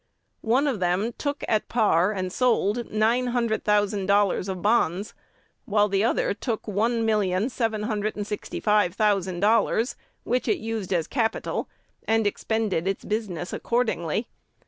One of them took at par and sold nine hundred thousand dollars of bonds; while the other took one million seven hundred and sixty five thousand dollars, which it used as capital, and expanded its business accordingly.